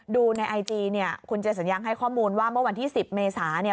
ดูในไอจีเนี่ยคุณเจสัญญังให้ข้อมูลว่าเมื่อวันที่๑๐เมษาเนี่ย